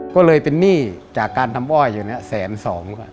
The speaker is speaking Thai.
ก็เลยเป็นหนี้จากการทำอ้อยอยู่เนี่ยแสนสองกว่า